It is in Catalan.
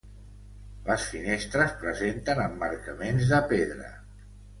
Les finestres presenten emmarcaments de pedra.